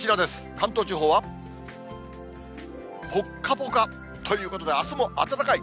関東地方はぽっかぽかということで、あすも暖かい。